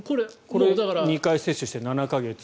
２回接種して７か月。